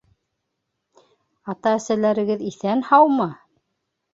Ата-әсәләрегеҙ иҫән-һаумы?